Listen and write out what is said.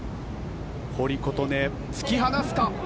堀琴音、突き放すか。